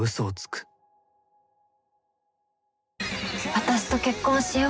私と結婚しよう。